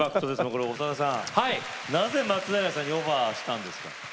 これ、長田さん、なぜ松平さんにオファーしたんですか？